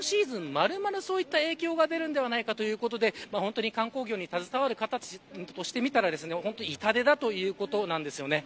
丸々そういった影響が出るのではないかということで観光業に携わる方にしてみたら痛手だということです。